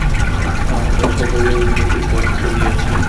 আমরা সকলেই উন্নতির পথেই চলিয়াছি।